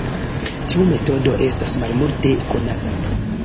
Tiu metodo estas malmulte konata.